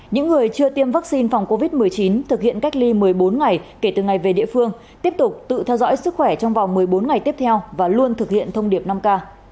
những người chưa tiêm vaccine phòng covid một mươi chín thực hiện cách ly một mươi bốn ngày kể từ ngày về địa phương tiếp tục tự theo dõi sức khỏe trong vòng một mươi bốn ngày tiếp theo và luôn thực hiện thông điệp năm k